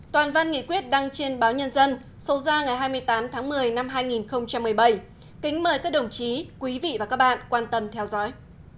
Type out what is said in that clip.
toàn văn nghị quyết đăng trên báo nhân dân số ra ngày hai mươi tám tháng một mươi năm hai nghìn một mươi bảy kính mời các đồng chí quý vị và các bạn quan tâm theo dõi